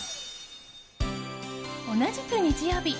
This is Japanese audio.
同じく日曜日。